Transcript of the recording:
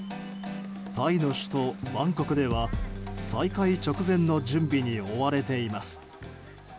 タイの首都バンコクでは再開直前の準備に追われています。